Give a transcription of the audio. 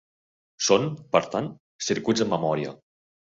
Són, per tant, circuits amb memòria.